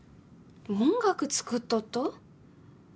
音楽作っとっと？